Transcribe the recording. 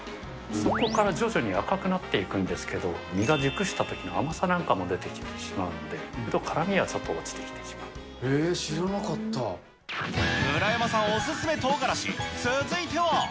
そこから徐々に赤くなっていくんですけど、実が熟したときの甘さなんかも出てきてしまうので、辛みはちょっへー、村山さんお勧めとうがらし、続いては。